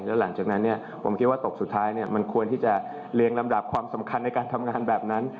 แล้วหลังจากนั้นผมคิดว่าตกสุดท้ายมันควรที่จะเรียงลำดับความสำคัญในการทำงานแบบนั้น